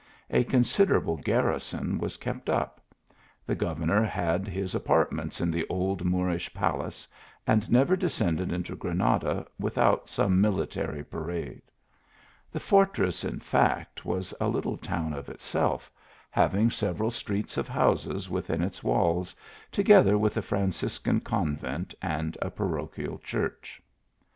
A considerable garrison was kept up ; the governor had his apartments in the old Moorish palace, and never descended into Granada without some mili tary parade. The fortress, in fact, was a little town of itself, having several streets of houses within its walls, together with a Franciscan convent and a parochial church.